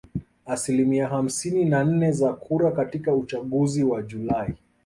asilimia hamsini na nne za kura katika uchaguzi wa Julai